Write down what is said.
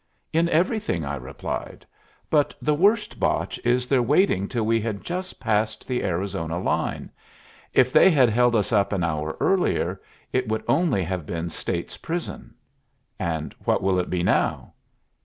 "In everything," I replied. "But the worst botch is their waiting till we had just passed the Arizona line. If they had held us up an hour earlier, it would only have been State's prison." "And what will it be now?"